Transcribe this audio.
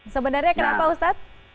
sebenarnya kenapa ustaz